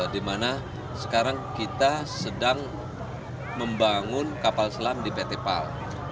dimana sekarang kita sedang membangun kapal selam di pt pal